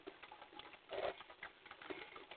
احمدشاه بابا د شجاعت سمبول و.